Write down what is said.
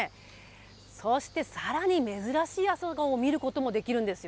そしてさらに珍しい朝顔を見ることもできるんですよ。